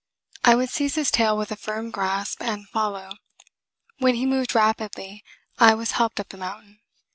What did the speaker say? I would seize his tail with a firm grasp and follow. When he moved rapidly, I was helped up the mountain.